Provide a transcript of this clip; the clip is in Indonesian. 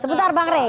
sebentar bang rey